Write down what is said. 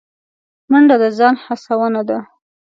منډه د ځان هڅونه ده